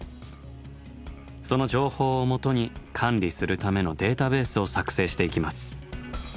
その情報をもとに管理するためのデータベースを作成していきます。